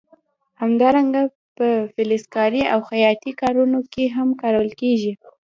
همدارنګه په فلزکارۍ او خیاطۍ کارونو کې هم کارول کېږي.